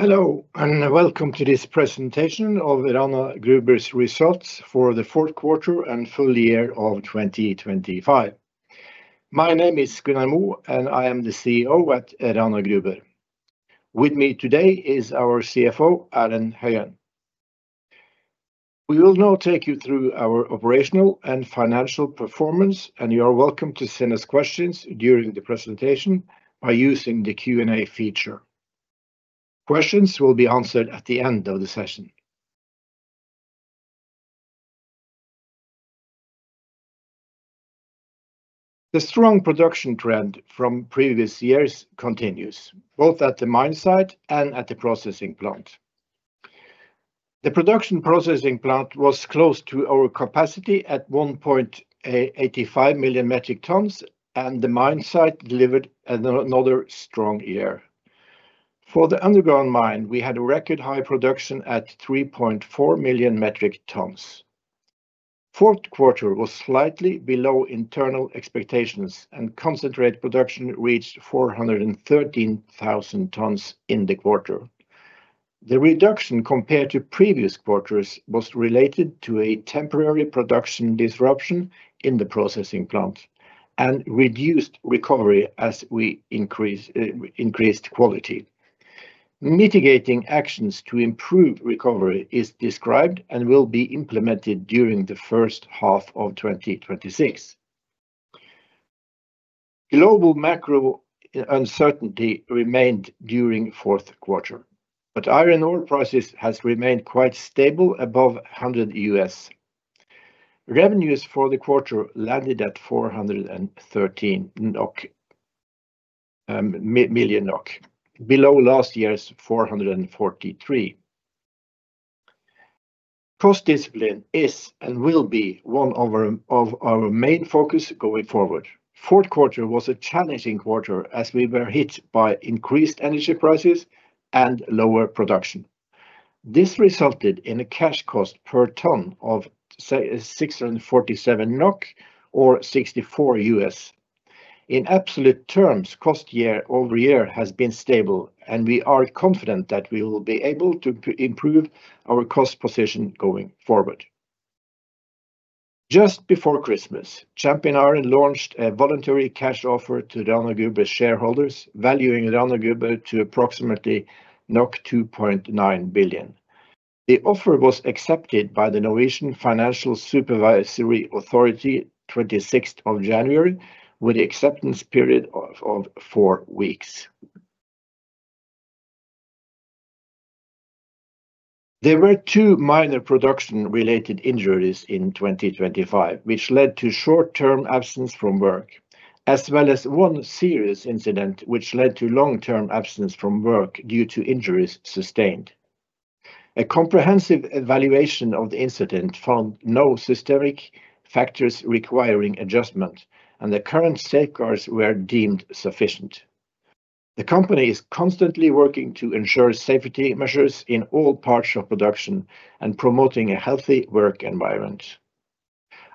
Hello, and welcome to this presentation of Rana Gruber's results for the fourth quarter and full year of 2025. My name is Gunnar Moe, and I am the CEO at Rana Gruber. With me today is our CFO, Erlend Høyen. We will now take you through our operational and financial performance, and you are welcome to send us questions during the presentation by using the Q&A feature. Questions will be answered at the end of the session. The strong production trend from previous years continues, both at the mine site and at the processing plant. The production processing plant was close to our capacity at 1.885 million metric tons, and the mine site delivered another strong year. For the underground mine, we had a record-high production at 3.4 million metric tons. Fourth quarter was slightly below internal expectations, and concentrate production reached 413,000 tons in the quarter. The reduction compared to previous quarters was related to a temporary production disruption in the processing plant and reduced recovery as we increase increased quality. Mitigating actions to improve recovery is described and will be implemented during the first half of 2026. Global macro uncertainty remained during fourth quarter, but iron ore prices has remained quite stable above $100. Revenues for the quarter landed at 413 million NOK, below last year's 443. Cost discipline is and will be one of our, of our main focus going forward. Fourth quarter was a challenging quarter as we were hit by increased energy prices and lower production. This resulted in a cash cost per ton of 647 NOK or $64. In absolute terms, cost year-over-year has been stable, and we are confident that we will be able to improve our cost position going forward. Just before Christmas, Champion Iron launched a voluntary cash offer to Rana Gruber shareholders, valuing Rana Gruber to approximately 2.9 billion. The offer was accepted by the Norwegian Financial Supervisory Authority, January 26th, with the acceptance period of four weeks. There were two minor production-related injuries in 2025, which led to short-term absence from work, as well as one serious incident which led to long-term absence from work due to injuries sustained. A comprehensive evaluation of the incident found no systemic factors requiring adjustment, and the current safeguards were deemed sufficient. The company is constantly working to ensure safety measures in all parts of production and promoting a healthy work environment.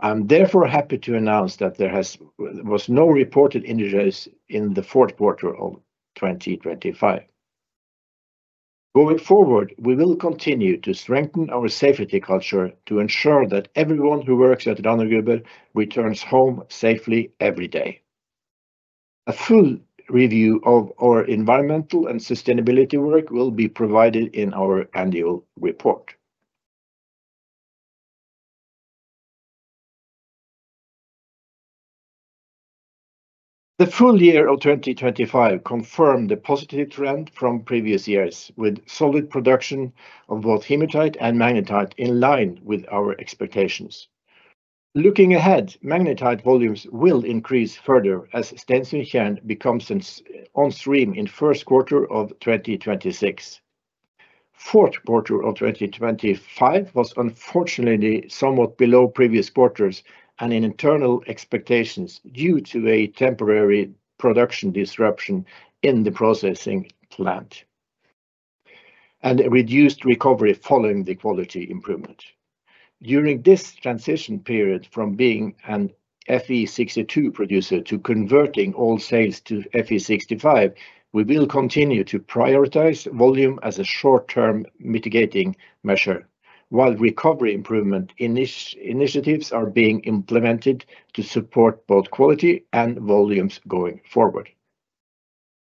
I'm therefore happy to announce that there was no reported injuries in the fourth quarter of 2025. Going forward, we will continue to strengthen our safety culture to ensure that everyone who works at Rana Gruber returns home safely every day. A full review of our environmental and sustainability work will be provided in our annual report. The full year of 2025 confirmed the positive trend from previous years, with solid production of both hematite and magnetite in line with our expectations. Looking ahead, magnetite volumes will increase further as Stensundtjern comes on stream in first quarter of 2026. Fourth quarter of 2025 was unfortunately somewhat below previous quarters and internal expectations due to a temporary production disruption in the processing plant and a reduced recovery following the quality improvement. During this transition period from being an Fe62 producer to converting all sales to Fe65, we will continue to prioritize volume as a short-term mitigating measure, while recovery improvement initiatives are being implemented to support both quality and volumes going forward.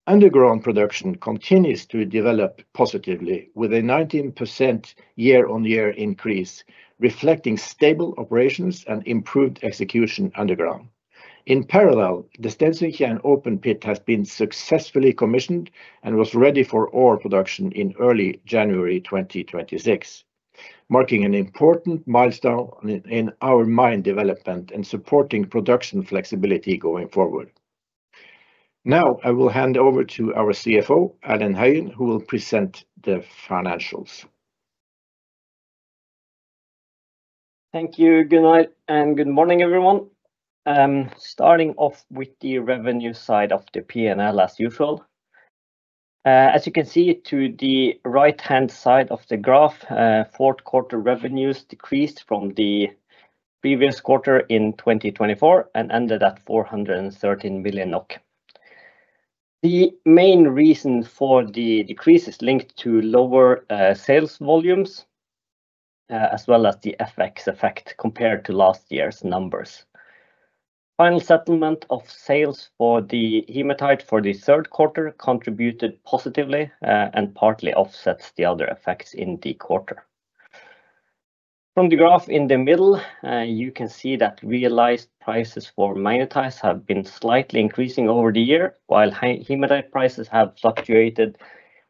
Underground production continues to develop positively, with a 19% year-on-year increase, reflecting stable operations and improved execution underground. In parallel, the Stensundtjern open pit has been successfully commissioned and was ready for ore production in early January 2026, marking an important milestone in our mine development and supporting production flexibility going forward. Now, I will hand over to our CFO, Erlend Høyen, who will present the financials. Thank you. Good night, and good morning, everyone. Starting off with the revenue side of the P&L, as usual. As you can see to the right-hand side of the graph, fourth quarter revenues decreased from the previous quarter in 2024 and ended at 413 million NOK. The main reason for the decrease is linked to lower sales volumes, as well as the FX effect compared to last year's numbers. Final settlement of sales for the hematite for the third quarter contributed positively, and partly offsets the other effects in the quarter. From the graph in the middle, you can see that realized prices for magnetite have been slightly increasing over the year, while hematite prices have fluctuated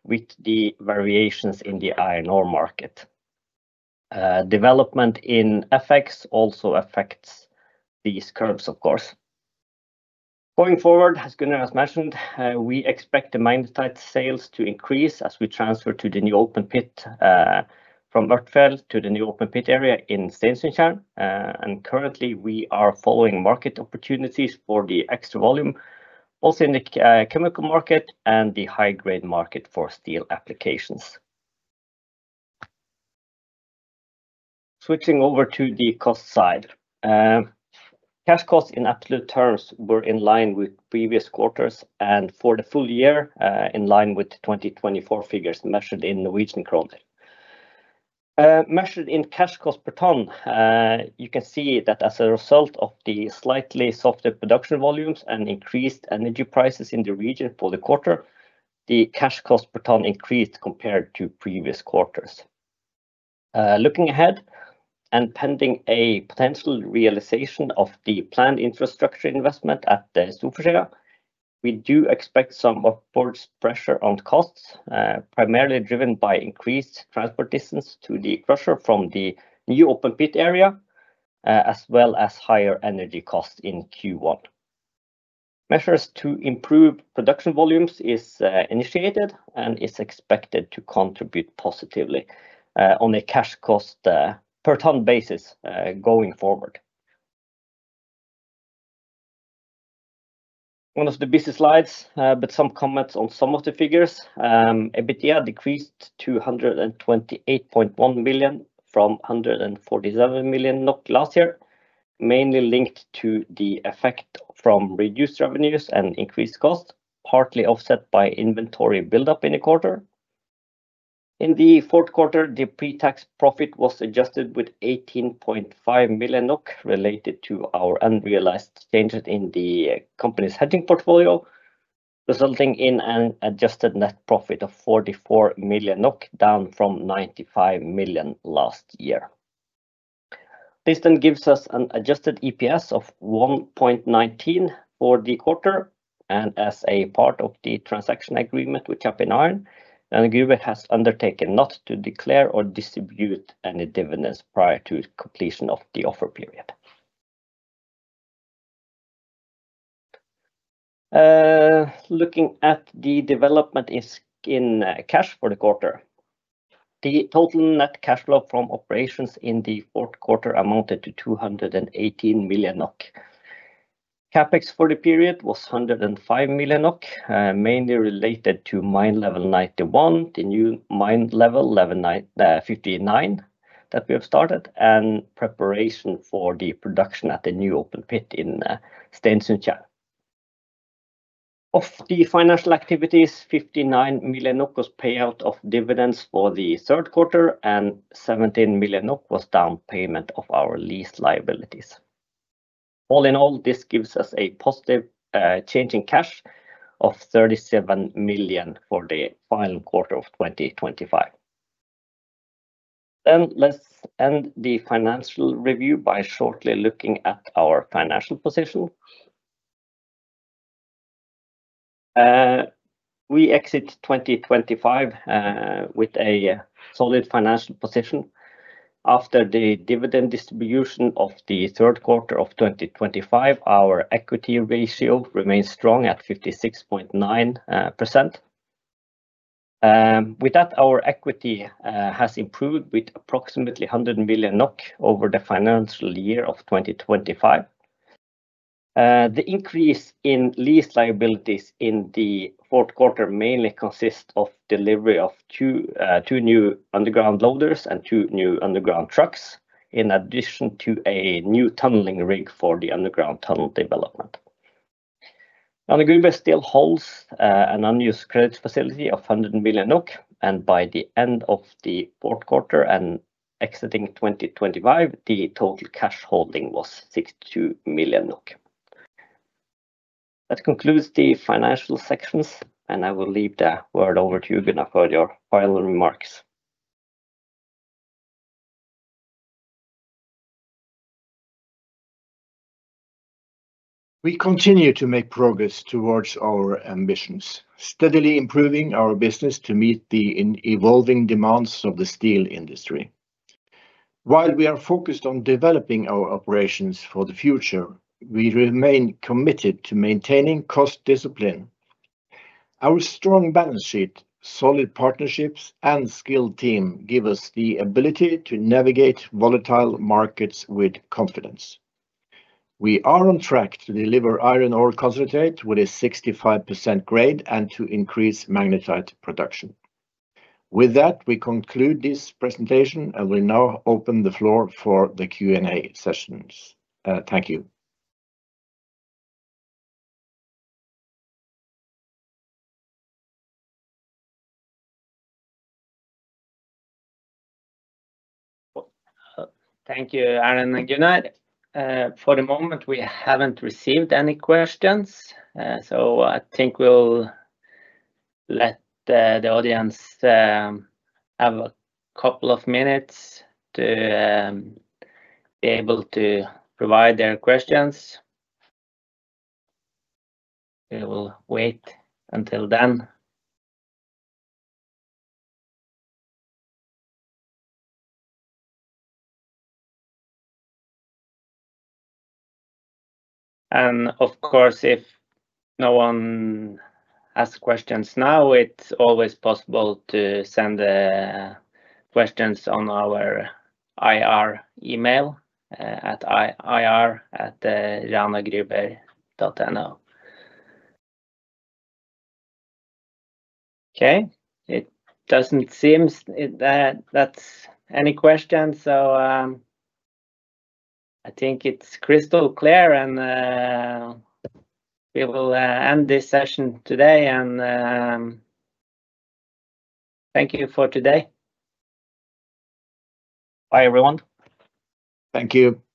with the variations in the iron ore market. Development in effects also affects these curves, of course. Going forward, as Gunnar has mentioned, we expect the magnetite sales to increase as we transfer to the new open pit, from Ørtfjell to the new open pit area in Stensundtjern. And currently, we are following market opportunities for the extra volume, also in the chemical market and the high-grade market for steel applications. Switching over to the cost side. Cash costs in absolute terms were in line with previous quarters, and for the full year, in line with 2024 figures measured in Norwegian kroner. Measured in cash cost per ton, you can see that as a result of the slightly softer production volumes and increased energy prices in the region for the quarter, the cash cost per ton increased compared to previous quarters. Looking ahead, and pending a potential realization of the planned infrastructure investment at the Stensundtjern, we do expect some upwards pressure on costs, primarily driven by increased transport distance to the crusher from the new open pit area, as well as higher energy costs in Q1. Measures to improve production volumes is initiated, and is expected to contribute positively on a cash cost per ton basis, going forward. One of the busy slides, but some comments on some of the figures. EBITDA decreased to 128.1 million from 147 million last year, mainly linked to the effect from reduced revenues and increased costs, partly offset by inventory buildup in the quarter. In the fourth quarter, the pre-tax profit was adjusted with 18.5 million NOK, related to our unrealized changes in the company's hedging portfolio, resulting in an adjusted net profit of 44 million NOK, down from 95 million last year. This then gives us an adjusted EPS of 1.19 for the quarter, and as a part of the transaction agreement with Champion Iron, Rana Gruber has undertaken not to declare or distribute any dividends prior to completion of the offer period. Looking at the development in cash for the quarter. The total net cash flow from operations in the fourth quarter amounted to 218 million NOK. CapEx for the period was 105 million NOK, mainly related to mine level 91, the new mine level, level 9, 59, that we have started, and preparation for the production at the new open pit in Stensundtjern. Of the financial activities, 59 million NOK was payout of dividends for the third quarter, and 17 million NOK was down payment of our lease liabilities. All in all, this gives us a positive change in cash of 37 million for the final quarter of 2025. Then let's end the financial review by shortly looking at our financial position. We exit 2025 with a solid financial position. After the dividend distribution of the third quarter of 2025, our equity ratio remains strong at 56.9%. With that, our equity has improved with approximately 100 million NOK over the financial year of 2025. The increase in lease liabilities in the fourth quarter mainly consist of delivery of two new underground loaders and two new underground trucks, in addition to a new tunneling rig for the underground tunnel development. Now, the Gruber still holds an unused credit facility of 100 million NOK, and by the end of the fourth quarter and exiting 2025, the total cash holding was 62 million NOK. That concludes the financial sections, and I will leave the word over to you, Gunnar, for your final remarks. We continue to make progress towards our ambitions, steadily improving our business to meet the ever-evolving demands of the steel industry. While we are focused on developing our operations for the future, we remain committed to maintaining cost discipline. Our strong balance sheet, solid partnerships, and skilled team give us the ability to navigate volatile markets with confidence. We are on track to deliver iron ore concentrate with a 65% grade and to increase magnetite production. With that, we conclude this presentation, and we now open the floor for the Q&A sessions. Thank you. Thank you, Erlend and Gunnar. For the moment, we haven't received any questions, so I think we'll let the audience have a couple of minutes to be able to provide their questions. We will wait until then. And of course, if no one asks questions now, it's always possible to send questions on our IR email at ir@ranagruber.no. Okay, it doesn't seem like it that there are any questions, so I think it's crystal clear, and we will end this session today, and thank you for today. Bye, everyone. Thank you. Bye.